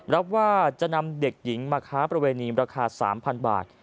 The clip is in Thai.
รับว่าจะนำเด็กหญิงมาค้าประเวณีราคา๓๐๐บาท